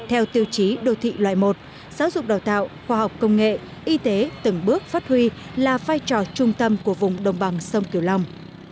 theo tiêu chí đô thị loại một giáo dục đào tạo khoa học công nghệ y tế từng bước phát huy là vai trò trung tâm của vùng đồng bằng sông kiều long